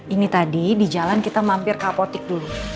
ini tadi di jalan kita mampir kapotik dulu